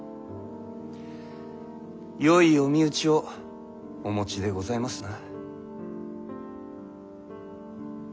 よいお身内をお持ちでございますな。